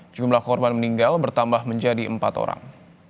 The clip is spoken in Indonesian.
jumlah korban meninggal bertambah menjadi empat orang